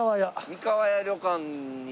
三河屋旅館に。